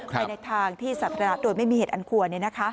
ไปในทางที่สัมภาษณะโดยไม่มีเหตุอันควรเนี่ยนะคะ